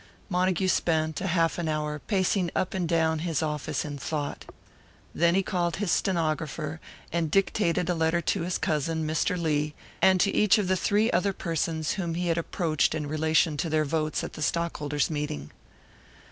Montague spent a half an hour pacing up and down his office in thought. Then he called his stenographer, and dictated a letter to his cousin, Mr. Lee, and to each of the three other persons whom he had approached in relation to their votes at the stockholders' meeting.